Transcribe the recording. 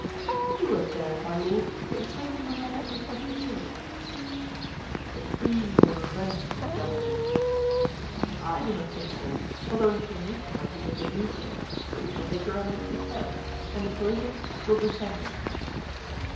"You have dared, my lord, to imprison her majesty's musketeers." "The queen will revenge me, gentlemen." "I do not think so, although inclination might lead her to do so, but we shall take your eminence to Paris, and the Parisians will defend us."